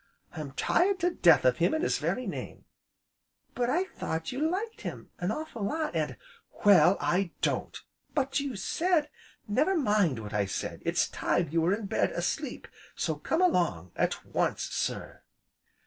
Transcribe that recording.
I'm tired to death of him and his very name!" "But I thought you liked him an awful lot, an' " "Well, I don't!" "But, you said " "Never mind what I said! It's time you were in bed asleep, so come along at once, sir!"